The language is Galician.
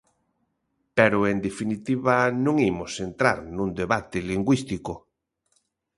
Pero, en definitiva, non imos entrar nun debate lingüístico.